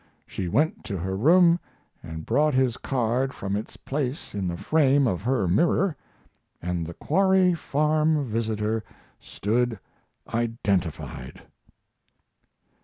She went to her room and brought his card from its place in the frame of her mirror, and the Quarry Farm visitor stood identified.